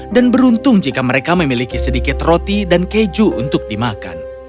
dan beruntung jika mereka memiliki sedikit roti dan keju untuk dimakan